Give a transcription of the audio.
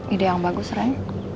ide yang bagus ren